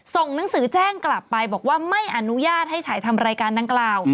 ส่งหนังสือแจ้งกลับไปบอกว่าไม่อนุญาตให้ฉายทำรายการดังกล่าว